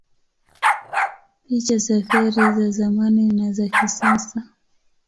Picha za feri za zamani na za kisasa